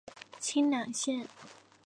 清南线